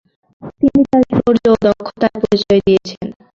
তিনি তাঁর শৌর্য ও দক্ষতার পরিচয় দিয়েছেন।